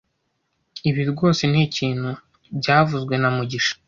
Ibi rwose ni ikintu byavuzwe na mugisha